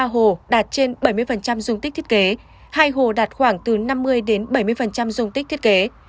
hai mươi ba hồ đạt trên bảy mươi dung tích thiết kế hai hồ đạt khoảng từ năm mươi bảy mươi dung tích thiết kế